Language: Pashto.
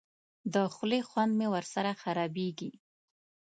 د خولې خوند مې ورسره خرابېږي.